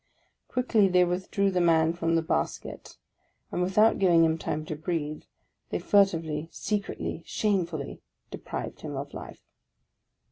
Quickly they withdrew the man from the basket ; and without giving him time to breathe, they furtively, secretly, shamefully deprived him of life